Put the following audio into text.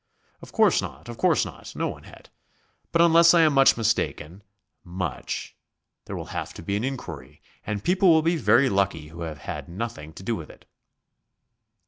"Of course not, of course not no one had. But, unless I am much mistaken much there will have to be an enquiry, and people will be very lucky who have had nothing to do with it